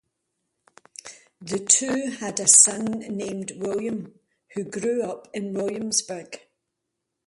The two had a son named William who grew up in Williamsburg.